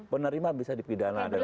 penerima bisa dipidana dan sebagainya